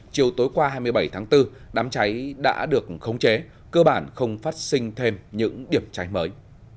chiều tối qua hai mươi bảy tháng bốn đám cháy đã được khống chế cơ bản không phát sinh thêm những điểm cháy mới